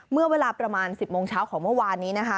เมื่อเวลาประมาณ๑๐โมงเช้าของเมื่อวานนี้นะคะ